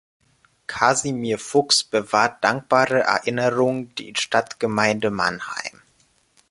Kasimir Fuchs bewahrt dankbare Erinnerung' Die Stadtgemeinde Mannheim“.